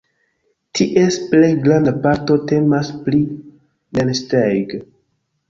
Ties plej granda parto temas pri Rennsteig.